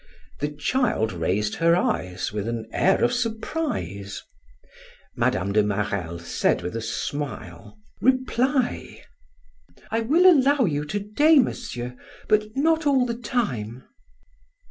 The child raised her eyes with an air of surprise. Mme. de Marelle said with a smile: "Reply." "I will allow you to day, Monsieur, but not all the time."